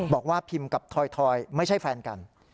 บอกว่าพิมพ์กับถอยไม่ใช่แฟนกัน